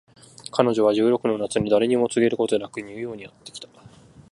彼女は十六の夏に誰にも告げることなくニューヨークにやって来た